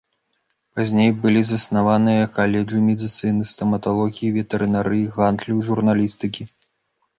Пазней былі заснаваныя каледжы медыцыны, стаматалогіі, ветэрынарыі, гандлю і журналістыкі.